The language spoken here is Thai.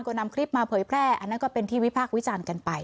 ก็นำคลิปมาเผยแพร่อันนั้นก็เป็นที่วิพากษ์วิจารณ์กันไป